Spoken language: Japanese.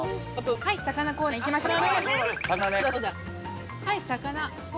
はい魚コーナー行きましょう。